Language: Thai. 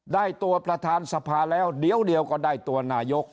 ได้ตัวประธานสภาแล้วเดี๋ยวก็ได้ตัวนายก